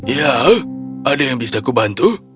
ya ada yang bisa kubantu